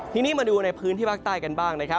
ทีนี้มาดูในพื้นที่ภาคใต้กันบ้างนะครับ